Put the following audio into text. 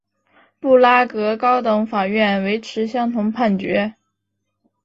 布拉格高等法院维持相同判决。